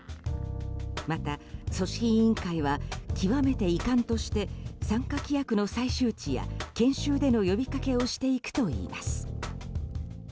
また、組織委員会は極めて遺憾として参加規約の再周知や研修での呼びかけをしていくといいます。